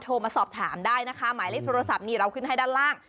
มาสอบถามได้นะคะหมายเลขโทรศัพท์นี้เราขึ้นให้ด้านล่าง